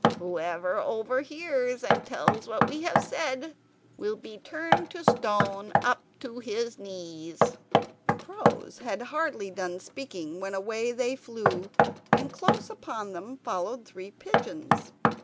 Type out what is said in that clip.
whoever overhears and tells what we have said will be turned to stone up to his knees." The crows had hardly done speaking when away they flew. And close upon them followed three pigeons.